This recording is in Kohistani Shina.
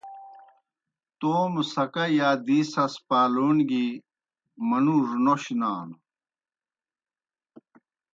توموْ سکا یا دی سَس پالون گیْ منُوڙوْ نوش نانوْ۔